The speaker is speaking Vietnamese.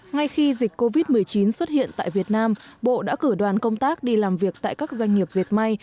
ngay khi dịch covid một mươi chín xuất hiện tại việt nam bộ đã cử đoàn công tác đi làm việc tại các doanh nghiệp diệt may